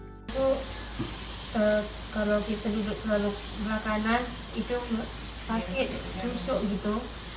itu kalau kita duduk belakangan itu sakit cucu gitu